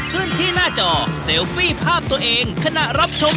ขึ้นที่หน้าจอ